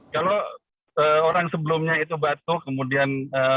kalau orang sebelumnya itu batuk kemudian